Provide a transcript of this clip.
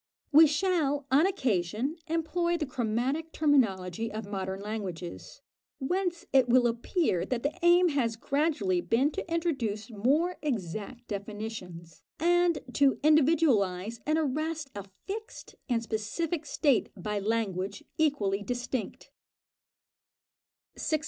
We shall, on occasion, employ the chromatic terminology of modern languages, whence it will appear that the aim has gradually been to introduce more exact definitions, and to individualise and arrest a fixed and specific state by language equally distinct. 610.